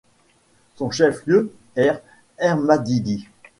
Son chef-lieu est Airmadidi.